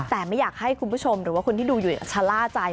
แต่ไม่อยากให้คุณผู้ชมหรือว่าคนที่ดูอยู่ชะล่าใจ